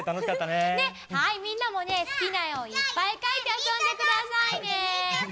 ねっみんなもねすきなえをいっぱいかいてあそんでくださいね。